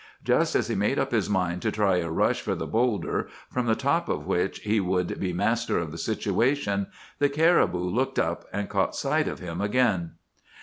Just as he made up his mind to try a rush for the bowlder, from the top of which he would be master of the situation, the caribou looked up, and caught sight of him again.